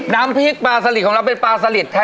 น้ำพริกปลาสลิดของเราเป็นปลาสลิดแท้